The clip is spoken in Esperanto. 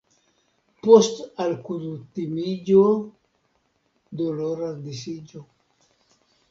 Post alkutimiĝo doloras disiĝo.